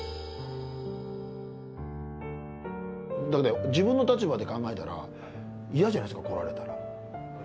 だって自分の立場で考えたら嫌じゃないですか来られたら。